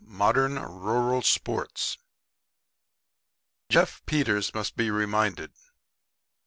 MODERN RURAL SPORTS Jeff Peters must be reminded.